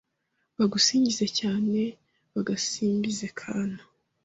Bagusingize cyane Bagasimbize akana